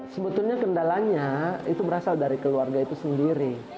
sebetulnya kendalanya itu berasal dari keluarga itu sendiri